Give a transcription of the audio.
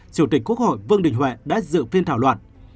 chủ tịch quốc hội vương đình huệ đã dự phiên thảo luận